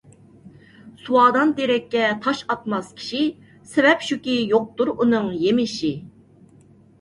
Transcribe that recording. سۇۋادان تېرەككە تاش ئاتماس كىشى، سەۋەب شۇكى يوقتۇر ئۇنىڭ يېمىشى.